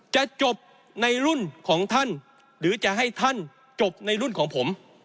จะจบในรุ่นของท่านหรือจะให้ท่านจบในรุ่นของผม